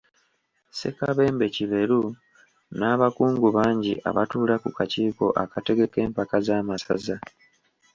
Ssekabembe Kiberu n'abakungu bangi abatuula ku kakiiko akategeka empaka z'amasaza.